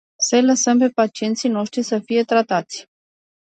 Să-i lăsăm pe pacienții noștri să fie tratați.